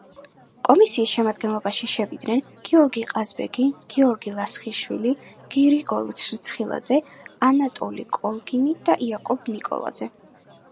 კომისიის შემადგენლობაში შევიდნენ: გიორგი ყაზბეგი, გიორგი ლასხიშვილი, გრიგოლ რცხილაძე, ანატოლი კალგინი და იაკობ ნიკოლაძე.